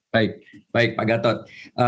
baik pak gatot